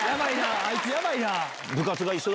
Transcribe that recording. あいつヤバいな。